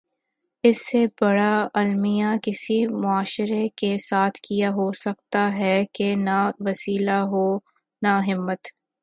اس سے بڑا المیہ کسی معاشرے کے ساتھ کیا ہو سکتاہے کہ نہ وسیلہ ہو نہ ہمت۔